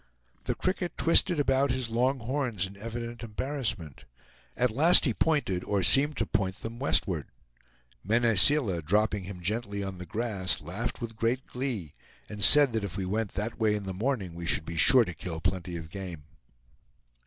The cricket twisted about his long horns in evident embarrassment. At last he pointed, or seemed to point, them westward. Mene Seela, dropping him gently on the grass, laughed with great glee, and said that if we went that way in the morning we should be sure to kill plenty of game.